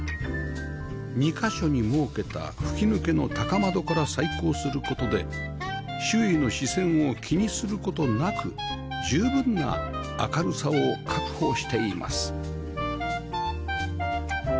２カ所に設けた吹き抜けの高窓から採光する事で周囲の視線を気にする事なく十分な明るさを確保しています